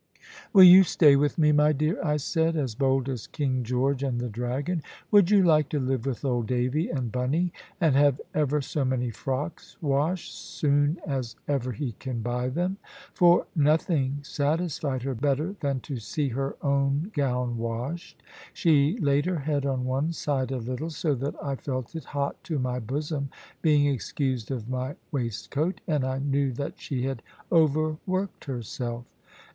"Will you stay with me, my dear?" I said, as bold as King George and the Dragon; "would you like to live with old Davy and Bunny, and have ever so many frocks washed, soon as ever he can buy them?" For nothing satisfied her better than to see her one gown washed. She laid her head on one side a little, so that I felt it hot to my bosom, being excused of my waistcoat; and I knew that she had overworked herself.